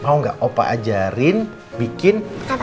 mau gak opa ajarin bikin apa